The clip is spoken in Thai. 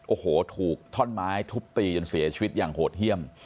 โอ้โหถูกท่อนไม้ทุบตีจนเสียชีวิตอย่างโหดเยี่ยม